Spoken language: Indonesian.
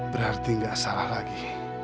berarti enggak salah lagi